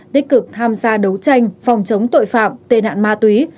đích cực tham gia đấu tranh phòng chống tội phạm tên hạn ma túy